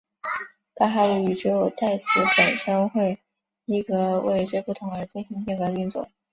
噶哈巫语只有代词本身会依格位之不同而进行变格运作。